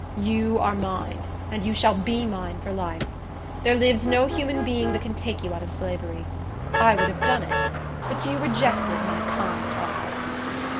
You are mine; and you shall be mine for life. There lives no human being that can take you out of slavery. I would have done it; but you rejected my kind offer."